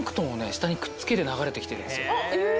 下にくっつけて流れてきてるんですよ